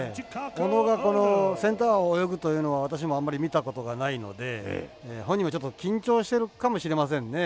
小野がセンターを泳ぐというのは私もあんまり見たことがないので本人もちょっと緊張しているかもしれませんね。